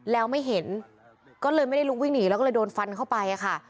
แล้วไม่เห็นก็เลยไม่ได้ลุกวิ่งหนีแล้วก็เลยโดนฟันเข้าไปค่ะ